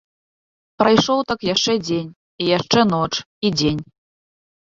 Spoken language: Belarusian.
Прайшоў так яшчэ дзень і яшчэ ноч і дзень.